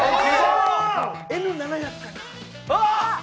Ｎ７００かな？